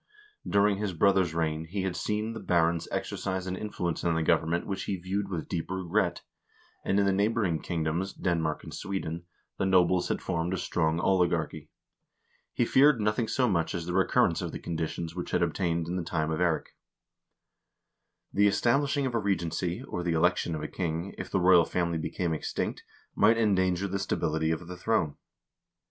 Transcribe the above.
During his brother's reign he had seen the barons exercise an influence in the government which he viewed with deep regret, and in the neighboring kingdoms, Denmark and Sweden, the nobles had formed a strong oligarchy. He feared nothing so much as the recurrence of the conditions which had obtained in the time of Eirik. The establishing of a regency, or the election of a king, if the royal family became extinct, might endanger the stability of the throne.